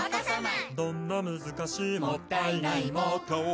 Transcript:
「どんな難しいもったいないも」